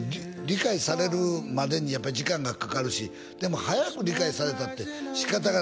理解されるまでにやっぱり時間がかかるしでも早く理解されたって仕方がない